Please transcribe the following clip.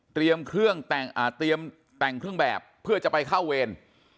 เตรียมเครื่องแต่งอ่าเตรียมแต่งเครื่องแบบเพื่อจะไปเข้าเวร